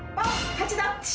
勝ちどっち？